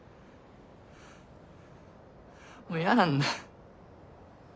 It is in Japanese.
もう嫌なんだ。